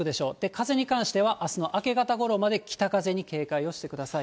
風に関しては、あすの明け方ごろまで北風に警戒をしてください。